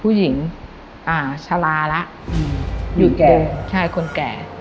ผู้หญิงอ่าชะลาละอืมหยุดแก่ใช่คนแก่